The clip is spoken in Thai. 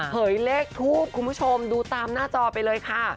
เยเลขทูปคุณผู้ชมดูตามหน้าจอไปเลยค่ะ